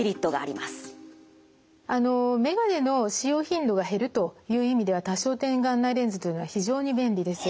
あの眼鏡の使用頻度が減るという意味では多焦点眼内レンズというのは非常に便利です。